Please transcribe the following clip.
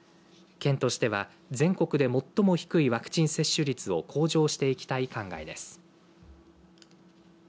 県としては、全国で最も低いワクチン接種率を向上していきたい考えです。